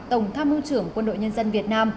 tổng tham mưu trưởng quân đội nhân dân việt nam